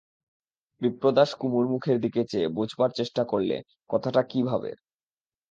বিপ্রদাস কুমুর মুখের দিকে চেয়ে বোঝবার চেষ্টা করলে কথাটা কী ভাবের।